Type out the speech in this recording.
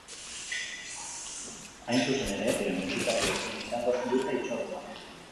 Hain zuzen ere, udan festaz festa aritu diren musikariekin izango dute hitzordua.